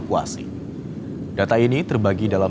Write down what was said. kemudian selanjutnyani berlainan dengan